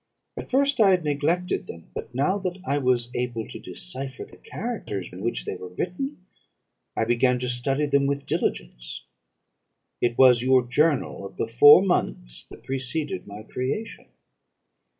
At first I had neglected them; but now that I was able to decipher the characters in which they were written, I began to study them with diligence. It was your journal of the four months that preceded my creation.